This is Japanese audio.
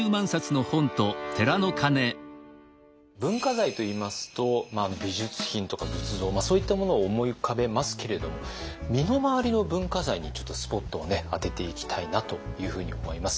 文化財といいますと美術品とか仏像そういったものを思い浮かべますけれども身の回りの文化財にちょっとスポットを当てていきたいなというふうに思います。